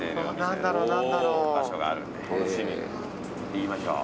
行きましょう。